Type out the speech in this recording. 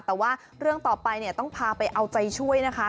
แต่ว่าเรื่องต่อไปเนี่ยต้องพาไปเอาใจช่วยนะคะ